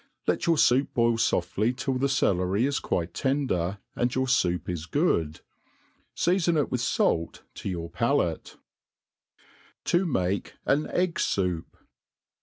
Let your foup boil foftly till the celery is quite tender, and your foup good. Seafoh it with fait to your palate* To make an Egg Soup.